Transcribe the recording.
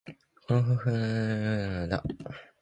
この古風な酒瓢は故郷のものだ。